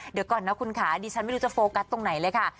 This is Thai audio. เดี๋ยวก่อนนะคุณค่ะดิฉันไม่รู้จะโฟกัสตรงไหนเลยค่ะ